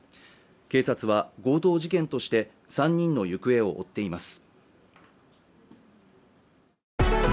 警察は強盗事件として３人の行方を追っています